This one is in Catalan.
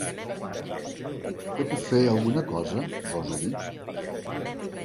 Què puc fer alguna cosa?— goso dir.